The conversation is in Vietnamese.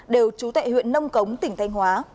đều chú tại huyện nông cống tỉnh thanh hóa